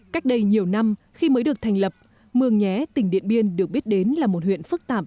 cách đây nhiều năm khi mới được thành lập mường nhé tỉnh điện biên được biết đến là một huyện phức tạp